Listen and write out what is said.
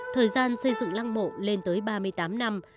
thời gian xây dựng lăng mộ lên tới ba mươi tám năm